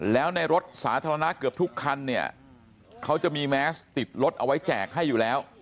แล้วในรถสาธารณะเกือบทุกคันเนี่ยเขาจะมีแมสติดรถเอาไว้แจกให้อยู่แล้ว